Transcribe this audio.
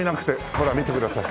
ほら見てください。